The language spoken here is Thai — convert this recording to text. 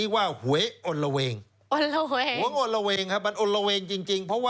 อย่างหวย